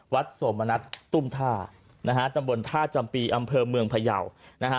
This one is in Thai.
สมณัฐตุ้มท่านะฮะตำบลท่าจำปีอำเภอเมืองพยาวนะฮะ